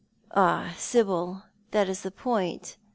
"Ah, Sibyl, that is the point.